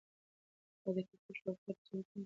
دا د کرکټ لوبغالی د زرګونو مینه والو د ناستې ځای لري.